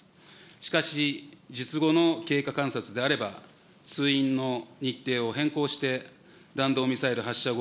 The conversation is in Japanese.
しかし、術後の経過観察であれば、通院の日程を変更して、弾道ミサイル発射後